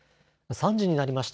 ３時になりました。